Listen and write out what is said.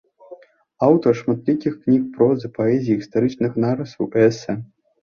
Аўтар шматлікіх кніг прозы, паэзіі, гістарычных нарысаў і эсэ.